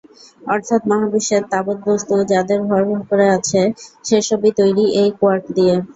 অর্থাৎ মহাবিশ্বের তাবৎ বস্তু, যাদের ভর আছে, সেসবই তৈরি এই কোয়ার্ক দিয়ে।